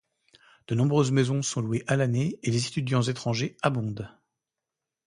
De nombreuses maisons sont louées à l'année et les étudiants étrangers abondent.